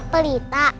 saya mau bareng makasih